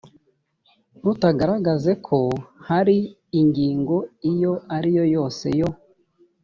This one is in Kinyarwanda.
rutagaragaze ko hari ingingo iyo ariyo yose yo